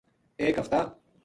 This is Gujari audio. ایک ہفتہ